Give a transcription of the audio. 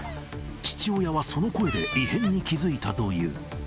父親はその声で異変に気付いたという。